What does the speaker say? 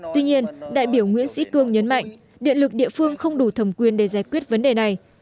tuy nhiên đại biểu nguyễn sĩ cương nhấn mạnh điện lực địa phương không đủ thẩm quyền để giải quyết vấn đề này